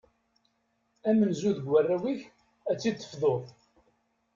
Amenzu deg warraw-ik, ad t-id-tefduḍ.